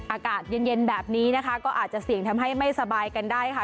อากาศเย็นแบบนี้นะคะก็อาจจะเสี่ยงทำให้ไม่สบายกันได้ค่ะ